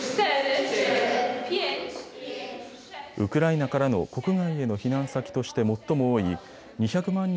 ウクライナからの国外への避難先として最も多い２００万